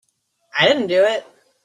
I didn't do it.